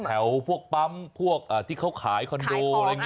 แถวพวกปั๊มพวกที่เค้าขายคอนโด